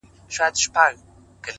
• خلک وه ډېر وه په عذاب له کفن کښه,